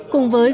các gia đình